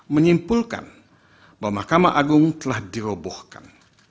menyimpulkan bahwa mahkamah agung telah dirobohkan